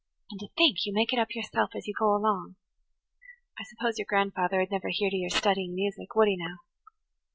And to think you make it up yourself as you go along! I suppose your grandfather would never hear to your studying music–would he now?"